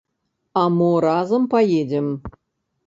А мо разам паедзем?